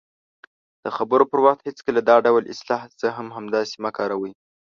-د خبرو پر وخت هېڅکله دا ډول اصطلاح"زه هم همداسې" مه کاروئ :